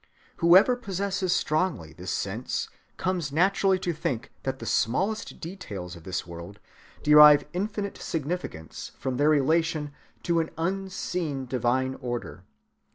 Whoever possesses strongly this sense comes naturally to think that the smallest details of this world derive infinite significance from their relation to an unseen divine order.